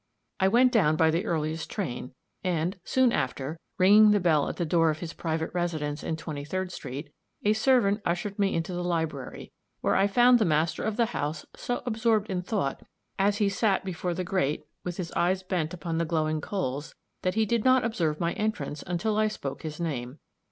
I went down by the earliest train, and, soon after, ringing the bell at the door of his private residence in Twenty third street, a servant ushered me into the library, where I found the master of the house so absorbed in thought, as he sat before the grate with his eyes bent upon the glowing coals, that he did not observe my entrance until I spoke his name.